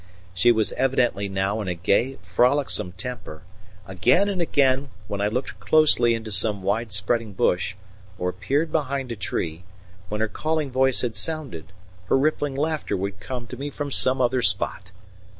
She was evidently now in a gay, frolicsome temper; again and again, when I looked closely into some wide spreading bush, or peered behind a tree, when her calling voice had sounded, her rippling laughter would come to me from some other spot.